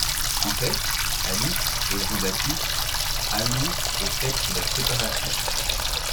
En fait, Alice et Jean-Baptiste annoncent et fêtent leur séparation.